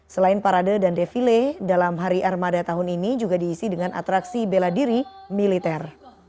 selain parade dan defile dalam hari armada tahun ini juga diisi dengan atraksi bela diri militer